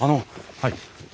はい。